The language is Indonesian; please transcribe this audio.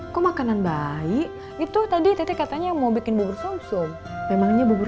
kok makanan bayi itu tadi tetek katanya mau bikin bubur sumsum memangnya bubur